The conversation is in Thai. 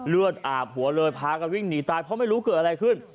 เลือดอาบหัวเลยพากันวิ่งหนีตายเพราะไม่รู้เกิดอะไรขึ้น